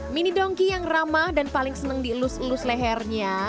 mini donki yang ramah dan paling senang dielus elus lehernya